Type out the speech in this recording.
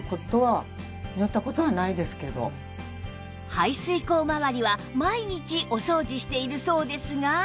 排水口まわりは毎日お掃除しているそうですが